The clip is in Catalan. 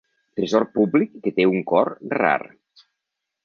Tresor públic que té un cor rar.